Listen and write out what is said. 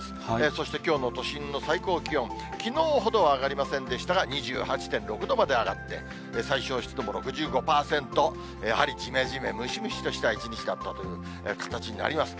そしてきょうの都心の最高気温、きのうほどは上がりませんでしたが、２８．６度まで上がって、最小湿度も６５％、やはりじめじめ、ムシムシとした一日だったという形になります。